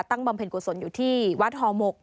บำเพ็ญกุศลอยู่ที่วัดฮอหมก